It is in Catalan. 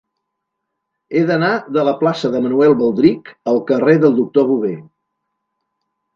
He d'anar de la plaça de Manuel Baldrich al carrer del Doctor Bové.